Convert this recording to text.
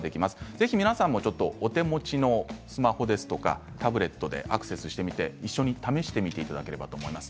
ぜひ皆さんもお手持ちのスマホやタブレットでアクセスして一緒に試してみていただければと思います。